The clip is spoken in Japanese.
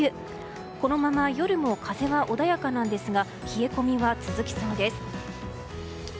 このまま夜も風は穏やかなんですが冷え込みは続きそうです。